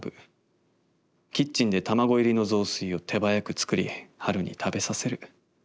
キッチンで卵入りの雑炊を手早く作りはるに食べさせる。